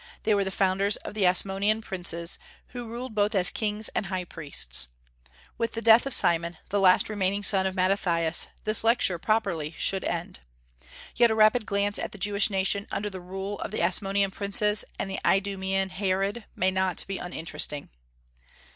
They were the founders of the Asmonean princes, who ruled both as kings and high priests. With the death of Simon, the last remaining son of Mattathias, this lecture properly should end; yet a rapid glance at the Jewish nation, under the rule of the Asmonean princes and the Idumaean Herod, may not be uninteresting.